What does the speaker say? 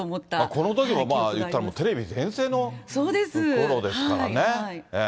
このときも言ったら、テレビ全盛のころですからね。